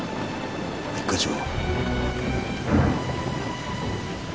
一課長。